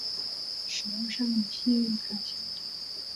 使用上与信用卡相同。